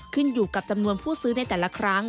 ขึ้นอยู่กับจำนวนผู้ซื้อในแต่ละครั้ง